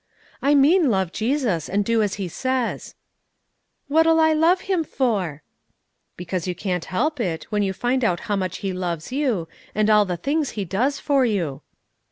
"I mean love Jesus, and do as He says." "What'll I love Him for?" "'Cause you can't help it, when you find out how much He loves you, and all the things He does for you."